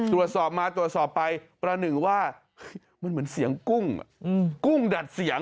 ตรวจสอบมาตรวจสอบไปประหนึ่งว่ามันเหมือนเสียงกุ้งกุ้งดัดเสียง